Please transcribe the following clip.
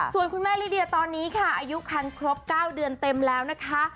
ส่วนคุณแม่ลิเดียตอนนี้ค่ะอายุคันครบ๙เดือนเต็มแล้วนะคะ